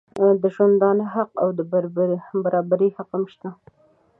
د ژوندانه حق او د برابري حق هم شته.